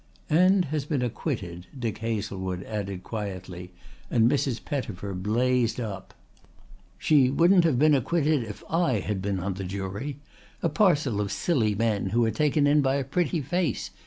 "And has been acquitted," Dick Hazlewood added quietly and Mrs. Pettifer blazed up. "She wouldn't have been acquitted if I had been on the jury. A parcel of silly men who are taken in by a pretty face!"